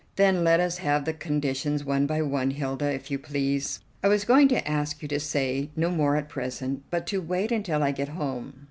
"Then let us have the conditions one by one, Hilda, if you please." "I was going to ask you to say no more at present, but to wait until I get home.